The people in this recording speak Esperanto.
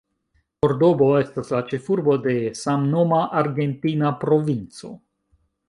Kordobo estas la ĉefurbo de samnoma argentina provinco.